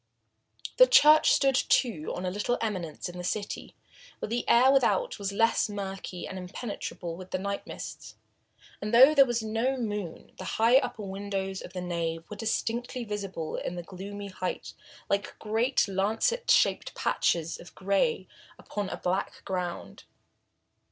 The church stood, too, on a little eminence in the city, where the air without was less murky and impenetrable with the night mists, and though there was no moon the high upper windows of the nave were distinctly visible in the gloomy height like great lancet shaped patches of gray upon a black ground.